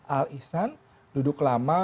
al ihsan duduk lama